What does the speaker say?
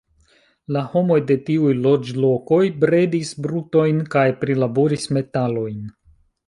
La homoj de tiuj loĝlokoj bredis brutojn kaj prilaboris metalojn.